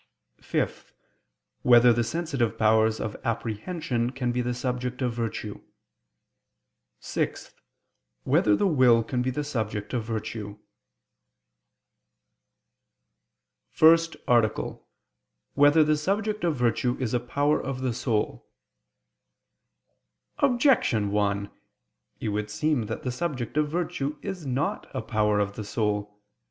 (5) Whether the sensitive powers of apprehension can be the subject of virtue? (6) Whether the will can be the subject of virtue? ________________________ FIRST ARTICLE [I II, Q. 56, Art. 1] Whether the Subject of Virtue Is a Power of the Soul? Objection 1: It would seem that the subject of virtue is not a power of the soul.